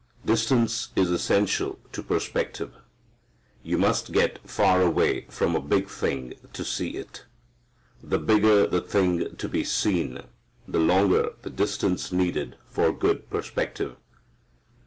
Distance is essential to perspective. You must get far away from a big thing to see it. The bigger the thing to be seen, the longer the distance needed for good perspective.